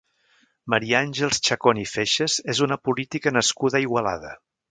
Maria Àngels Chacón i Feixas és una política nascuda a Igualada.